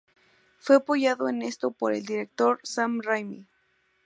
Fue apoyado en esto por el director Sam Raimi.